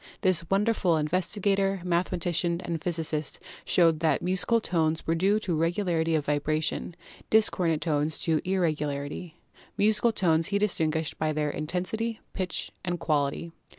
This wonderful investigator, mathema tician and physicist showed that musical tones were due to regularity of vibration, discordant tones to irregularity. Musical tones he distinguished by their Intensity, Pitch and Quality.